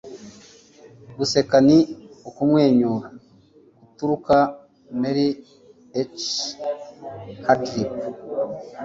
guseka ni kumwenyura guturika. - mary h. waldrip